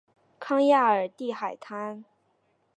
康雅尔蒂海滩。